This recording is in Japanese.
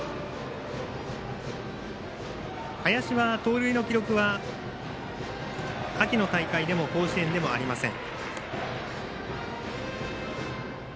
林は盗塁の記録は秋の大会でも甲子園でもありません。